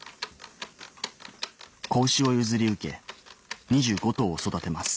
子牛を譲り受け２５頭を育てます